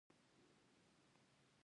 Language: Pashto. دوی تر سخت څار او فشار لاندې و.